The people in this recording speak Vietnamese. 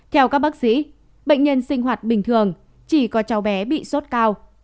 theo các bác sĩ bệnh nhân sinh hoạt bình thường chỉ có cháu bé bị sốt cao